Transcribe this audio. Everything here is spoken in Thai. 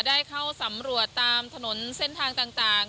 ได้เข้าสำรวจตามถนนเส้นทางต่าง